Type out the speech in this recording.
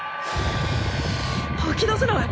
はき出せない！